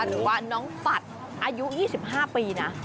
หรือว่าน้องปัดอายุ๒๕ปีนะ